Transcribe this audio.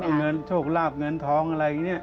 เงินโชคลาบเงินทองอะไรอย่างนี้